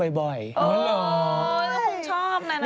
อ๋อแล้วคุณชอบน่ะนะ